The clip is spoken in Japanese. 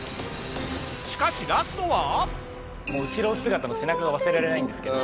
しかしもう後ろ姿の背中が忘れられないんですけど。